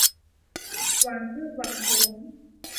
หว่านพืชหวังผล